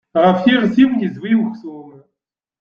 Ɣef iɣes-iw yezwi uksum.